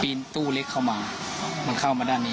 ตู้เล็กเข้ามามันเข้ามาด้านนี้